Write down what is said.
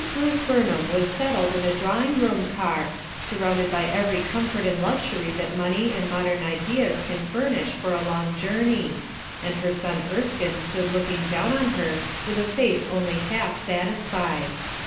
RUTH BURNHAM was settled in a drawing room car, surrounded by every comfort and luxury that money and modern ideas can furnish for a long journey; and her son Erskine stood looking down on her with a face only half satisfied.